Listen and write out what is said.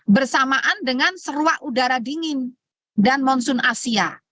bersamaan dengan seruak udara dingin dan monsoon asia